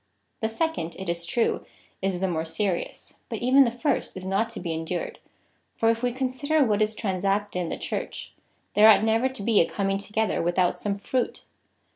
The second, it is true, is the more serious, but even the first is not to be endured, for if we con sider what is transacted in the Church, there ought never to be a comiiig together without some fruit.